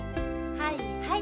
はいはい。